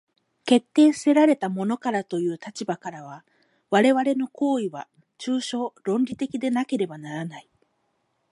決定せられたものからという立場からは、我々の行為は抽象論理的でなければならない。